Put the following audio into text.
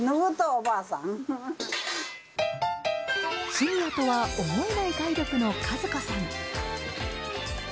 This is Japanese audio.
シニアとは思えない体力の和子さん。